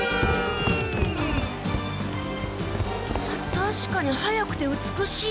たしかに速くて美しい。